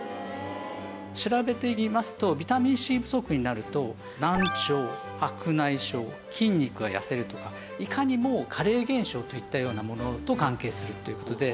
調べてみますとビタミンＣ不足になると難聴白内障筋肉が痩せるとかいかにも加齢現象といったようなものと関係するという事で。